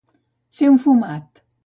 Ser un fumat.